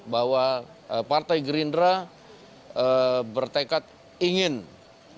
bahwa partai gerindra bertekad ingin berpengaruh